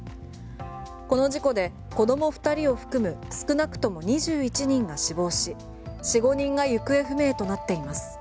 この事故で子供２人を含む少なくとも２１人が死亡し４５人が行方不明となっています。